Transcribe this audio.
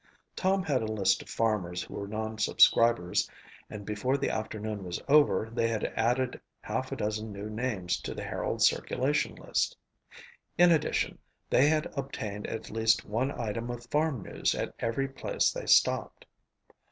Tom had a list of farmers who were non subscribers and before the afternoon was over they had added half a dozen new names to the Herald's circulation list. In addition, they had obtained at least one item of farm news at every place they stopped.